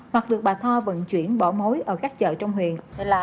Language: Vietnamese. hoặc được bà thoa vận chuyển bỏ mối ở các chợ trong huyện